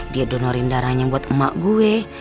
dia donorin darahnya buat emak gue